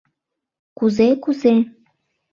— Кузе, кузе?!